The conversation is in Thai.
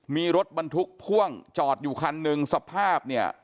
มีรถบรรทุกพ่วงจอดอยู่คันหนึ่งสภาพเนี่ย